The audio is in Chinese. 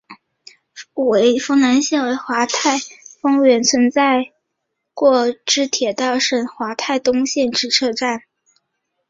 丰南站为桦太丰原市存在过之铁道省桦太东线之车站。